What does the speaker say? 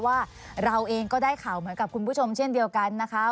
ว่าเราเองก็ได้ข่าวเหมือนกับคุณผู้ชมเช่นเดียวกันนะคะ